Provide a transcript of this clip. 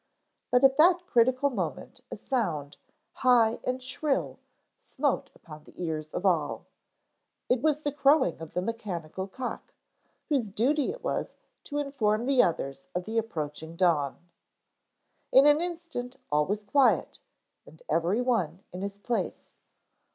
But at that critical moment a sound, high and shrill, smote upon the ears of all. It was the crowing of the mechanical cock whose duty it was to inform the others of the approaching dawn. In an instant all was quiet and every one in his place.